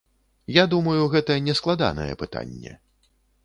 Я думаю, гэта нескладанае пытанне.